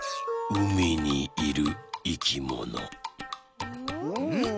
うみにいるいきもの。